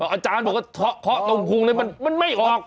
อาจารย์บอกว่าเคาะตรงพุงมันไม่ออก